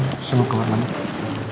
urutan untuk ustrak mobil mendingan